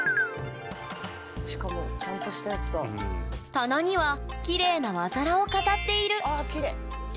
棚にはきれいな和皿を飾っているああきれい。